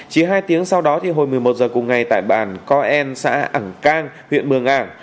chỉ hai tiếng sau đó thì hồi một mươi một giờ cùng ngày tại bản coen xã ảng cang huyện mường ảng